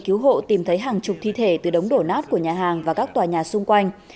và nhiều người cứu hộ tìm thấy hàng chục thi thể từ đống đổ nát của nhà hàng và các tòa nhà xung quanh